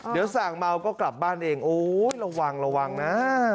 เดี๋ยวสั่งเมาก็กลับบ้านเองโอ้ยระวังระวังนะ